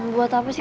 buat apa sih